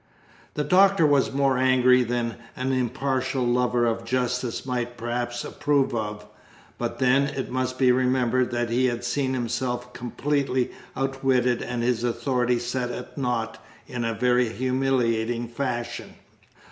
The Doctor was more angry than an impartial lover of justice might perhaps approve of, but then it must be remembered that he had seen himself completely outwitted and his authority set at nought in a very humiliating fashion.